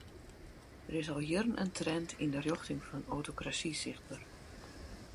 Der is al jierren in trend yn de rjochting fan autokrasy sichtber.